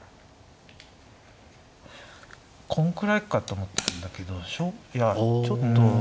こんくらいかと思ったんだけどいやちょっと。